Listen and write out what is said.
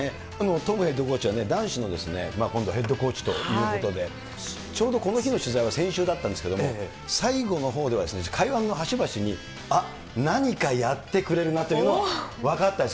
トムヘッドコーチは、男子の今度、ヘッドコーチということで、ちょうどこの日の取材は先週だったんですけれども、最後のほうでは、会話の端々に、あっ、何かやってくれるなっていうのは分かったんです。